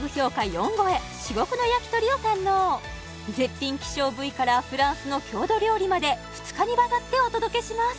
４超え至極の焼き鳥を堪能絶品希少部位からフランスの郷土料理まで２日にわたってお届けします